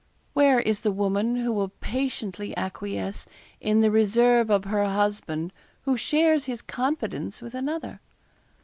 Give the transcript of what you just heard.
Where is the woman who will patiently acquiesce in the reserve of her husband who shares his confidence with another?